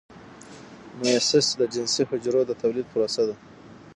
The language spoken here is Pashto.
میوسیس د جنسي حجرو د تولید پروسه ده